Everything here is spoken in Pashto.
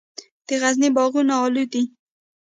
د غزني باغونه الو دي